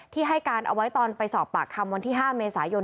ให้การเอาไว้ตอนไปสอบปากคำวันที่๕เมษายน